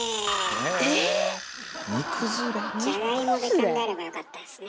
ジャガイモで考えればよかったですね。